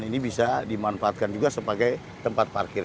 dan ini bisa dimanfaatkan juga sebagai tempat parkir